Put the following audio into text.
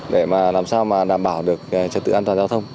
để làm sao đảm bảo được trật tự an toàn giao thông